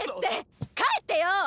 帰ってッ！